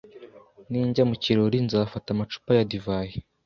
Ninjya mu kirori, nzafata amacupa ya divayi.